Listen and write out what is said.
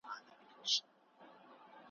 اوس نه منتر کوي اثر نه په مُلا سمېږي `